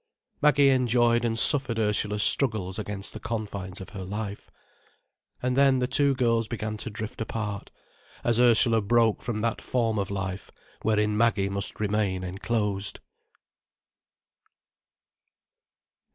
Maggie enjoyed and suffered Ursula's struggles against the confines of her life. And then the two girls began to drift apart, as Ursula broke from that form of life wherein Maggie must remain enclosed.